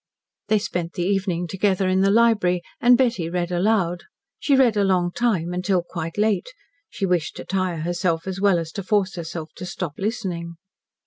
They spent the evening together in the library, and Betty read aloud. She read a long time until quite late. She wished to tire herself as well as to force herself to stop listening.